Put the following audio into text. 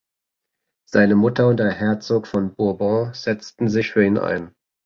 Seine Mutter und der Herzog von Bourbon setzten sich für ihn ein.